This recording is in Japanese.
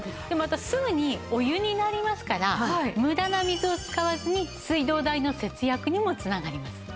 でまたすぐにお湯になりますから無駄な水を使わずに水道代の節約にも繋がります。